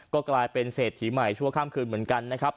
ก็กลายเป็นเศรษฐีใหม่ชั่วข้ามคืนเหมือนกันนะครับ